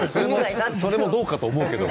それもどうかと思いますけど。